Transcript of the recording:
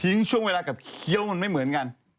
ช่วงเวลากับเคี้ยวมันไม่เหมือนกัน